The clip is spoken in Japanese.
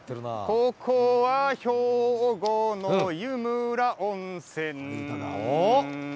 ここは兵庫の湯村温泉」